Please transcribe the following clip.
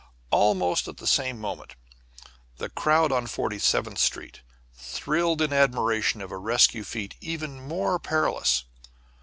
Almost at the same moment, the crowd on Forty seventh Street thrilled in admiration of a rescue feat even more perilous.